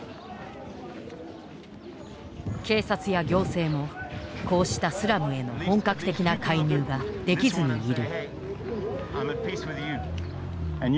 警察や行政もこうしたスラムへの本格的な介入ができずにいる。